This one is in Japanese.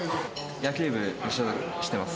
野球部に所属してます。